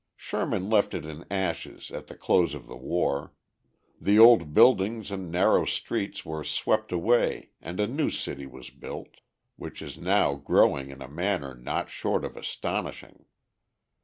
Sherman left it in ashes at the close of the war; the old buildings and narrow streets were swept away and a new city was built, which is now growing in a manner not short of astonishing.